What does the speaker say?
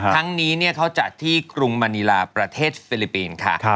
ทั้งนี้เขาจัดที่กรุงมณีลาประเทศฟิลิปปินส์ค่ะ